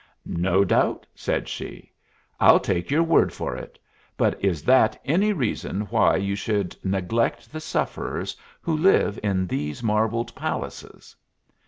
"No doubt," said she. "I'll take your word for it, but is that any reason why you should neglect the sufferers who live in these marble palaces?"